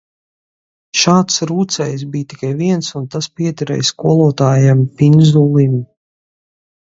Šāds rūcējs bija tikai viens un tas piederēja skolotājam Pinzulim.